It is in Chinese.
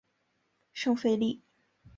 圣费利。